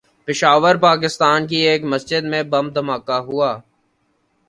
پشاور، پاکستان کی ایک مسجد میں بم دھماکہ ہوا